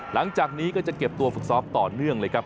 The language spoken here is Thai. หลังจากนี้ก็จะเก็บตัวฝึกซ้อมต่อเนื่องเลยครับ